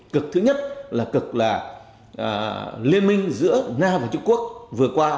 cực thứ nhất là cực là liên minh giữa nga và trung quốc vừa qua